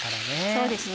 そうですね